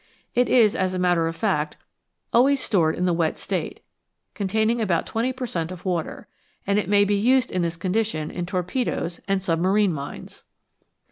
It is, as a matter of fact, always stored in the wet state, containing about twenty per cent, of water ; and it may be used in this condition in torpedoes and submarine mines.